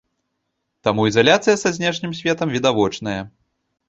Таму ізаляцыя са знешнім светам відавочная.